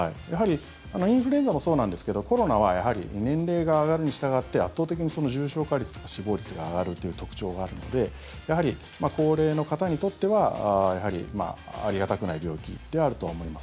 インフルエンザもそうなんですけどコロナはやはり年齢が上がるにしたがって圧倒的に重症化率とか死亡率が上がるという特徴があるのでやはり高齢の方にとってはありがたくない病気であるとは思います。